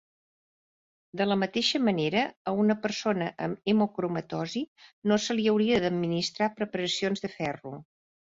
De la mateixa manera, a una persona amb hemocromatosi no se li hauria d'administrar preparacions de ferro.